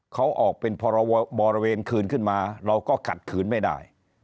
เขาออกเป็นบริเวณคืนขึ้นมาเราก็ขัดขืนไม่ได้